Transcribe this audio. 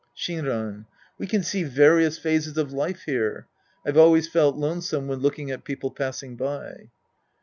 Shinran. We can see various phases of life here. I've al.vays felt lonesome when looking at people passing by.